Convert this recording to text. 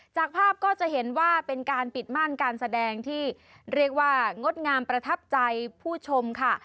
จากภาพก็จะเห็นว่าเป็นการปิดม่านการแสดงที่เรียกว่างดงามประทับใจผู้ชมค่ะ